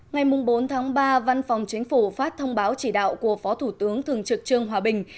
ngày bốn tháng ba văn phòng chính phủ phát thông báo chỉ đạo của phó thủ tướng thường trực trương hòa bình